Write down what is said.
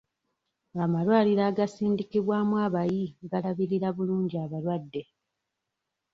Amalwaliro agasindikibwamu abayi galabirira bulungi abalwadde.